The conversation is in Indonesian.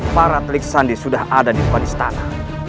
para telik sandi sudah ada di padistana